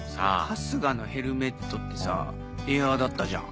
春日のヘルメットってさエアーだったじゃん。